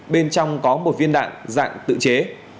bên trong có một viên đạn dạng tự chế